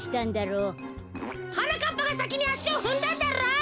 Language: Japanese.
はなかっぱがさきにあしをふんだんだろう！